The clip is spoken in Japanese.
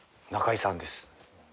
中居さんです。